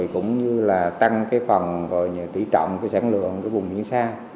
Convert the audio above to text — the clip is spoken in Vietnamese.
cũng như là tăng phần tỉ trọng sản lượng của vùng biển sàng